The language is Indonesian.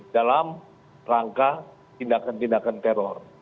dalam rangka tindakan tindakan teror